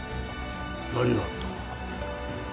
何があった？